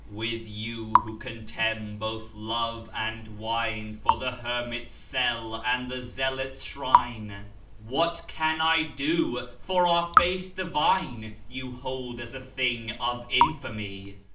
With you, who contemn both love and wine2 for the hermit's cell and the zealot's shrine, What can I do, for our Faith divine you hold as a thing of infamy?